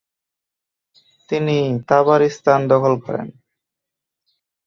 তিনি তাবারিস্তান দখল করেন।